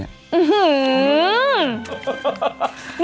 อื้อหือ